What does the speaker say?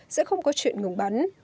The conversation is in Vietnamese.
sẽ không có chuyện ngừng bắn